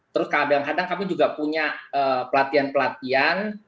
terus kadang kadang kami juga punya pelatihan pelatihan